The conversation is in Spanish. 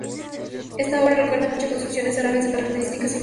Esta obra recuerda mucho construcciones árabes de características similares.